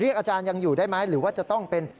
อาจารย์ยังอยู่ได้ไหมหรือว่าจะต้องเป็น